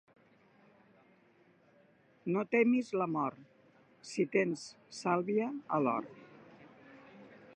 No temis la mort si tens sàlvia a l'hort.